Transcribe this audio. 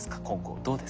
どうですか？